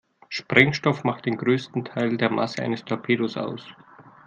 Sprengstoff macht den größten Teil der Masse eines Torpedos aus.